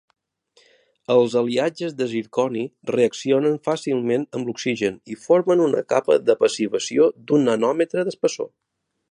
Els aliatges de zirconi reaccionen fàcilment amb l'oxigen i formen una capa de passivació d'un nanòmetre d'espessor.